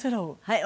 はい。